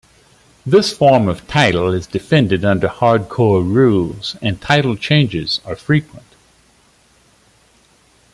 This form of title is defended under hardcore rules, and title changes are frequent.